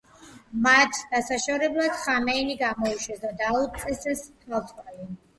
მათ დასაშოშმინებლად ხამენეი გამოუშვეს და დაუწესეს თვალთვალი.